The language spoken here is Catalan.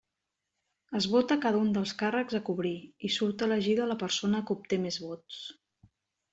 Es vota cada un dels càrrecs a cobrir, i surt elegida la persona que obté més vots.